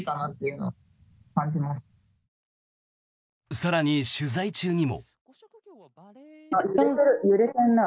更に、取材中にも。